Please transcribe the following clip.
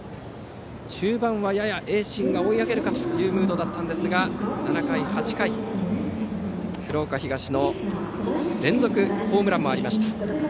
中盤はやや盈進が追い上げるかというムードでしたが７回、８回と鶴岡東の連続ホームランもありました。